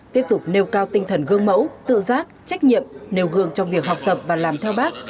tiếp tục nêu cao tinh thần gương mẫu tự giác trách nhiệm nêu gương trong việc học tập và làm theo bác